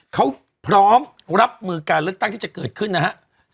เขาพร้อมรับมือการเลือกตั้งที่จะเกิดขึ้นนะครับ